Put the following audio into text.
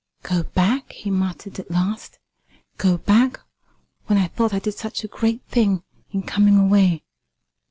"Go back!" he muttered at last "go back, when I thought I did such a great thing in coming away!